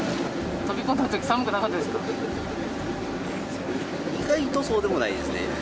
飛び込んだとき、寒くなかっ意外とそうでもないですね。